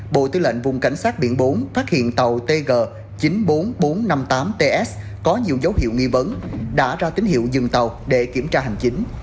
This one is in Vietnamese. bộ tư lệnh vùng cảnh sát biển bốn phát hiện tàu tg chín mươi bốn nghìn bốn trăm năm mươi tám ts có nhiều dấu hiệu nghi vấn đã ra tín hiệu dừng tàu để kiểm tra hành chính